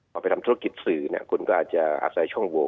พอไปทำธุรกิจสื่อคุณก็อาจจะอาศัยช่องโว